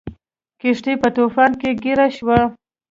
کښتۍ په طوفان کې ګیره شوه.